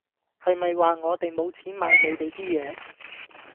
係咪話我地無錢買你地 d 野